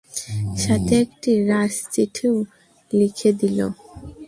সাথে একটি রাজচিঠিও দিয়ে দিল।